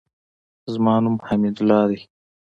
زما نوم حمیدالله دئ.